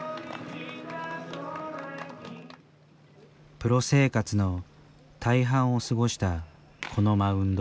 プロ生活の大半を過ごしたこのマウンド。